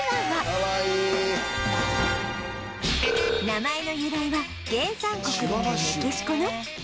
名前の由来は原産国であるメキシコのチワワ州